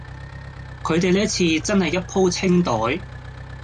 佢地呢次真係一鋪清袋